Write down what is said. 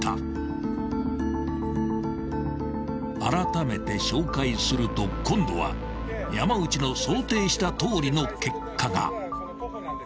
［あらためて照会すると今度は山内の想定したとおりの結果が］